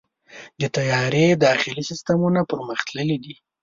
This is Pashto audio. د طیارې داخلي سیستمونه پرمختللي دي.